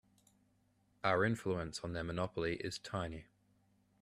Our influence on their monopoly is tiny.